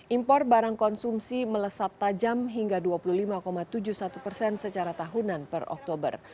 impor barang konsumsi melesat tajam hingga dua puluh lima tujuh puluh satu persen secara tahunan per oktober